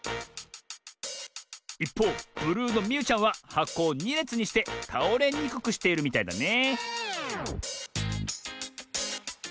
いっぽうブルーのみゆちゃんははこを２れつにしてたおれにくくしているみたいだね